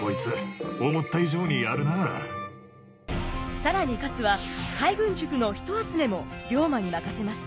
更に勝は海軍塾の人集めも龍馬に任せます。